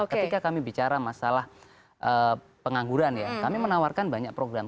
ketika kami bicara masalah pengangguran ya kami menawarkan banyak program